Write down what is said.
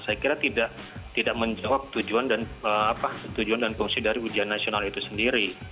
saya kira tidak menjawab tujuan dan fungsi dari ujian nasional itu sendiri